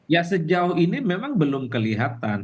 ya sejauh ini memang belum kelihatan